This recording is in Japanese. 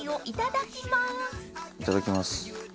いただきます。